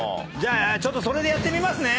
ちょっとそれでやってみますね。